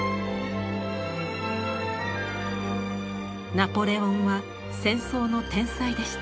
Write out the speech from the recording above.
ナポレオンは戦争の天才でした。